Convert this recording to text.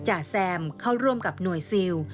จ่าแซมเข้าร่วมกับหน่วยซิล